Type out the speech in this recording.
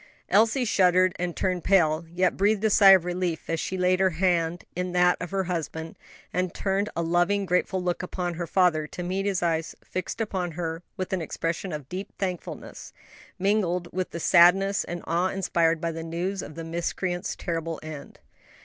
Elsie shuddered and turned pale, yet breathed a sigh of relief as she laid her hand in that of her husband, and turned a loving, grateful look upon her father, to meet his eyes fixed upon her with an expression of deep thankfulness, mingled with the sadness and awe inspired by the news of the miscreant's terrible end.